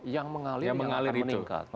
yang mengalir yang akan meningkat